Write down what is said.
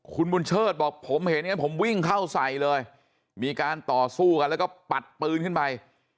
คุณบุญเชิดบอกผมเห็นอย่างนั้นผมวิ่งเข้าใส่เลยมีการต่อสู้กันแล้วก็ปัดปืนขึ้นไป